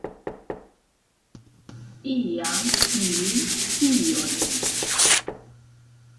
Iam ili scios.